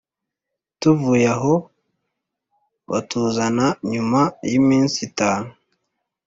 tuvuye aho batuzana nyuma y’iminsi itanu